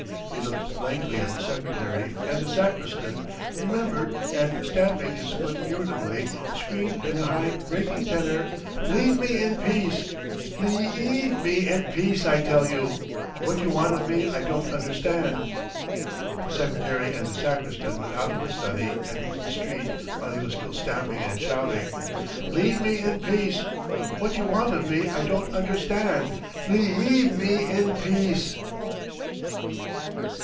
He looked blankly at the secretary and the sacristan, remembered, and stamping, his foot irritably, screamed in a high, breaking tenor: "Leave me in peace! Lea eave me in peace, I tell you! What you want of me I don't understand." The secretary and the sacristan went out of the study and reached the street while he was still stamping and shouting: "Leave me in peace! What you want of me I don't understand. Lea eave me in peace!"